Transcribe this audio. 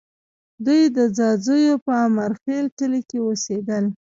دوی د ځاځیو په امیرخېل کلي کې اوسېدل